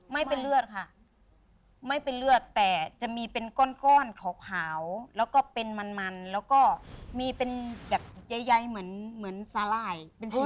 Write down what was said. ไม่เป็นเลือดค่ะไม่เป็นเลือดแต่จะมีเป็นก้อนขาวแล้วก็เป็นมันมันแล้วก็มีเป็นแบบใหญ่เหมือนสาหร่ายเป็นเสื้อ